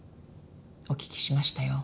お聞きしましたよ。